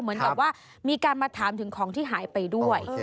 เหมือนกับว่ามีการมาถามถึงของที่หายไปด้วย